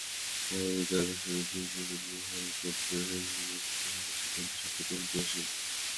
মানবহৃদয়ে আদর্শের এই চিরপ্রবল প্রভাবেই একমাত্র প্রেরণাশক্তি, যাহা মানবজাতির মধ্যে সতত ক্রিয়াশীল।